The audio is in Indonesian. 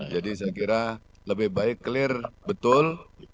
jadi saya kira lebih baik clear betul